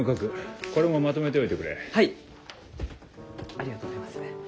ありがとうございます。